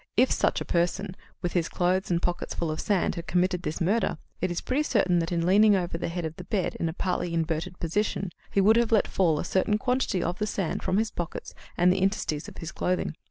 If such a person, with his clothes and pockets full of sand, had committed this murder, it is pretty certain that in leaning over the head of the bed in a partly inverted position he would have let fall a certain quantity of the sand from his pockets and the interstices of his clothing.